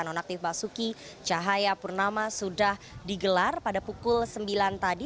nonaktif basuki cahaya purnama sudah digelar pada pukul sembilan tadi